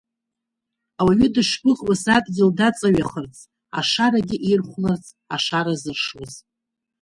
Ауаҩы дышгәыӷуаз адгьыл даҵаҩахарц, Ашарагьы ирхәларц, ашара зыршоз.